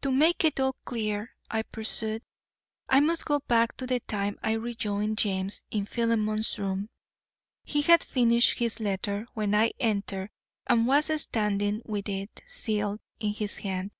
"To make it all clear," I pursued, "I must go back to the time I rejoined James in Philemon's room. He had finished his letter when I entered and was standing with it, sealed, in his hand.